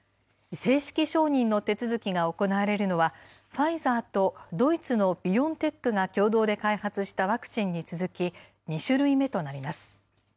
正式承認の手続きが行われるのは、ファイザーと、ドイツのビオンテックが共同で開発したワクチンに続き、２種類目となります。